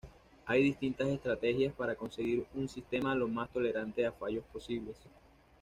Hay distintas estrategias para conseguir un sistema lo más tolerante a fallos posible.